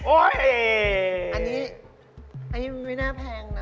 อันนี้อันนี้ไม่น่าแพงนะ